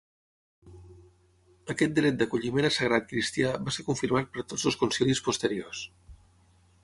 Aquest dret d'acolliment a sagrat cristià va ser confirmat per tots els concilis posteriors.